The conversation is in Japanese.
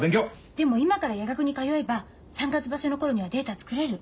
でも今から夜学に通えば３月場所の頃にはデータ作れる。